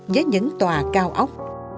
với những tòa cao ốc